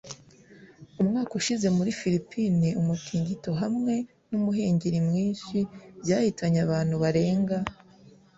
Umwaka ushize muri Filipine umutingito hamwe numuhengeri mwinshi byahitanye abantu barenga